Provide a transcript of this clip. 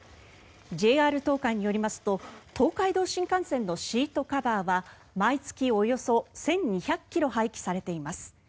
ＪＲ東海によりますと東海道新幹線のシートカバーは毎月およそ１２００ｋｇ廃棄されています。